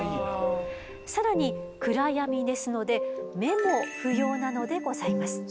更に暗闇ですので目も不要なのでございます。